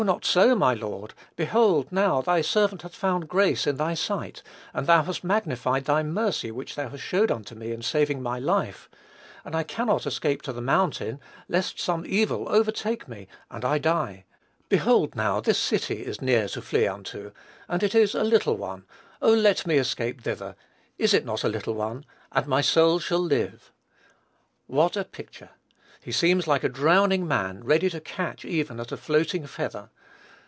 not so, my Lord: behold, now, thy servant hath found grace in thy sight, and thou hast magnified thy mercy which thou hast showed unto me in saving my life; and I cannot escape to the mountain, lest some evil take me and I die: behold, now, this city is near to flee unto, and it is a little one: oh, let me escape thither, (is it not a little one?) and my soul shall live." What a picture! He seems like a drowning man, ready to catch even at a floating feather.